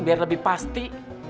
biar lebih pasti